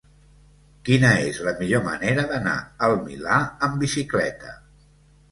Quina és la millor manera d'anar al Milà amb bicicleta?